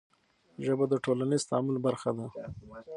ژبه د ټولنیز تعامل برخه ده.